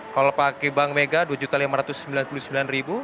kalau pakai bank mega dua juta lima ratus sembilan puluh sembilan ribu